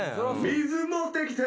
水持ってきて！